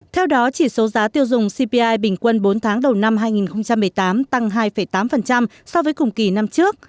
theo đó chỉ số giá tiêu dùng cpi bình quân bốn tháng đầu năm hai nghìn một mươi tám tăng hai tám so với cùng kỳ năm trước